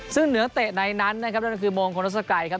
ซึ่งเหนือเตะในนั้นนะครับนั่นก็คือมงคลรสไกรครับ